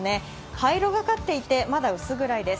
灰色がかっていて、まだ薄暗いです